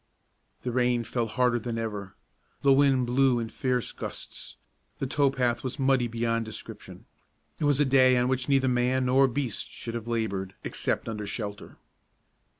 The rain fell harder than ever; the wind blew in fierce gusts; the tow path was muddy beyond description. It was a day on which neither man nor beast should have labored except under shelter.